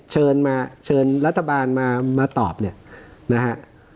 เชิญมาเชิญรัฐบาลมาตอบเนี่ยนะฮะ